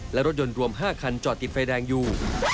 และรถยนต์รวม๕คันจอดติดไฟแดงอยู่